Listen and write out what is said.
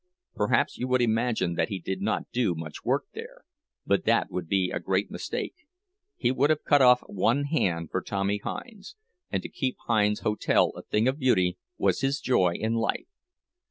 Perhaps you would imagine that he did not do much work there, but that would be a great mistake. He would have cut off one hand for Tommy Hinds; and to keep Hinds's hotel a thing of beauty was his joy in life.